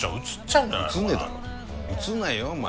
うつんないよお前。